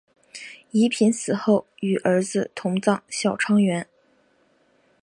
宜嫔死后与儿子同葬孝昌园。